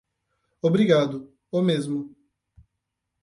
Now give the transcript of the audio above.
Obrigado, o mesmo.